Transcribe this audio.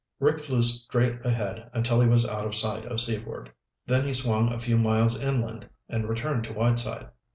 Rick flew straight ahead until he was out of sight of Seaford, then he swung a few miles inland and returned to Whiteside.